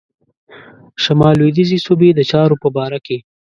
شمال لوېدیځي صوبې د چارو په باره کې.